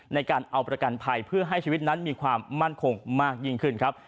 ในการเอาประกันภัยเพื่อให้ชีวิตนั้นมีความมั่นคงมากยิ่งขึ้นครับ